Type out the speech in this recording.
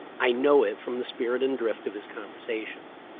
I know it from the spirit and drift of his conversation.